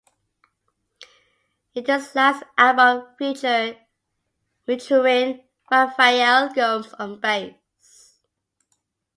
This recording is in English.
It is the last album featuring Rafael Gomes on bass.